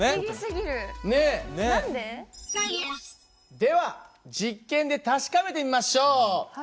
では実験で確かめてみましょう！